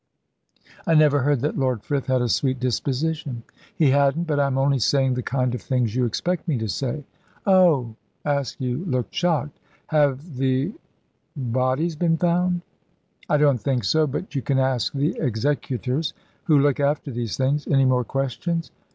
"I never heard that Lord Frith had a sweet disposition." "He hadn't; but I'm only saying the kind of things you expect me to say." "Oh!" Askew looked shocked. "Have the er bodies been found?" "I don't think so; but you can ask the executors who look after these things. Any more questions?"